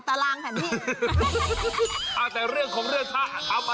ทรองขาวพระป่าคุณได้โอกาสที่จะเป็นประธานแล้วนะ